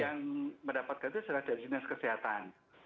bukan yang mendapat gratis adalah dari dinas kesehatan